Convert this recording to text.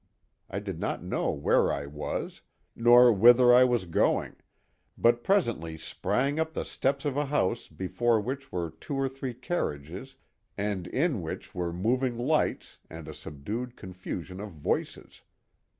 I did not know where I was, nor whither I was going, but presently sprang up the steps of a house before which were two or three carriages and in which were moving lights and a subdued confusion of voices.